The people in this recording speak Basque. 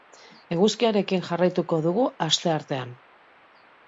Eguzkiarekin jarraituko dugu asteartean.